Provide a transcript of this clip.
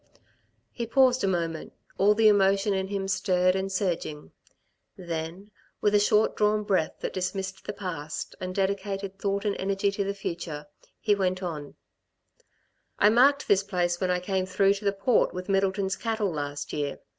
He paused a moment, all the emotion in him stirred and surging. Then, with a short drawn breath that dismissed the past and dedicated thought and energy to the future, he went on: "I marked this place when I came through to the Port with Middleton's cattle, last year.